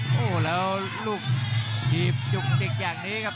โอ้โหแล้วลูกถีบจุกจิกอย่างนี้ครับ